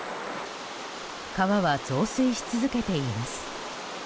川は増水し続けています。